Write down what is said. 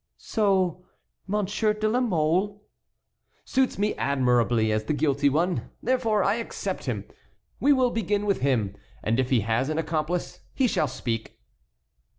"So Monsieur de la Mole"— "Suits me admirably as the guilty one; therefore I accept him. We will begin with him; and if he has an accomplice, he shall speak."